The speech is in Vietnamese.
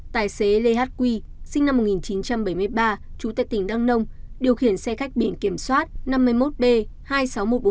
tài xế lê hát quy sinh năm một nghìn chín trăm bảy mươi ba trú tại tỉnh đăng nông điều khiển xe khách biển kiểm soát năm mươi một b hai mươi sáu nghìn một trăm bốn mươi